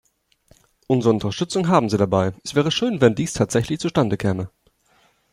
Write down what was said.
Unsere Unterstützung haben Sie dabei, es wäre schön, wenn dies tatsächlich zustande käme.